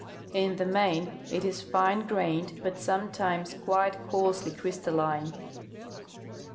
In the main it is fine grained, but sometimes quite coarsely crystalline.